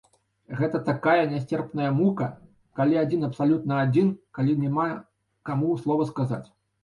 Гэта такая нясцерпная мука, калі адзін, абсалютна адзін, калі няма каму слова сказаць.